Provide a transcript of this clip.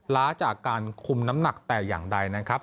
ล้าจากการคุมน้ำหนักแต่อย่างใดนะครับ